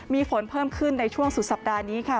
มีฝนเพิ่มขึ้นในช่วงสุดสัปดาห์นี้ค่ะ